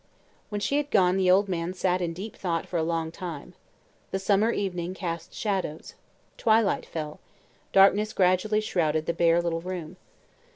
When she had gone the old man sat in deep thought for a long time. The summer evening cast shadows; twilight fell; darkness gradually shrouded the bare little room.